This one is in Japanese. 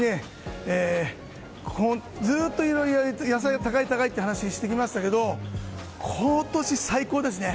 ずっと野菜が高い高いという話をしてきましたけれど今年最高ですね。